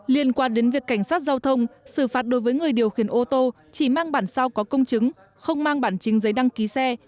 liên quan đến việc cảnh sát giao thông xử phạt đối với người điều khiển ô tô chỉ mang bản sao có công chứng không mang bản chính giấy đăng ký xe